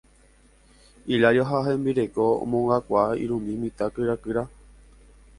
Hilario ha hembireko omongakuaa irundy mitã kyrakyra.